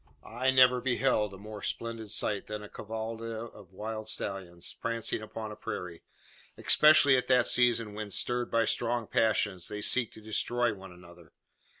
Eye never beheld a more splendid sight than a cavallada of wild stallions, prancing upon a prairie; especially at that season when, stirred by strong passions, they seek to destroy one another.